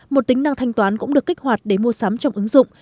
một tính năng thanh toán cũng được kích hoạt để mua sắm trong ứng dụng